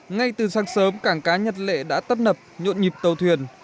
ngay từ sáng sớm cảng cá nhật lệ đã tấp nập nhộn nhịp tàu thuyền